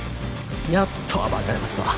やっと暴れられますわ。